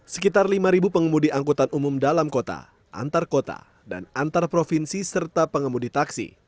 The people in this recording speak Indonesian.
sekitar lima pengemudi angkutan umum dalam kota antar kota dan antar provinsi serta pengemudi taksi